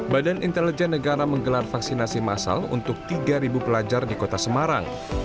badan intelijen negara menggelar vaksinasi masal untuk tiga pelajar di kota semarang